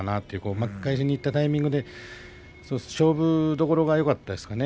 巻き返しにいったタイミングで勝負どころがよかったんですかね